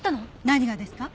何がですか？